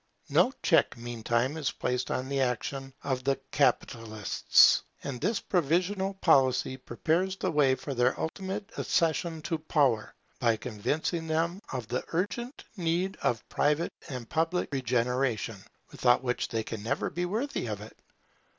No check meantime is placed on the action of the capitalists; and this provisional policy prepares the way for their ultimate accession to power, by convincing them of the urgent need of private and public regeneration, without which they can never be worthy of it.